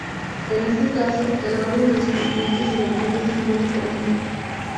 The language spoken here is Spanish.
En este caso, el orden de descubrimiento se representa simplemente por un número.